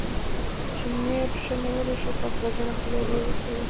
چیني پښه نیولی شو خو اکبرجان خپلې ابۍ ته وویل.